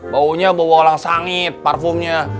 baunya bau walang sangit parfumnya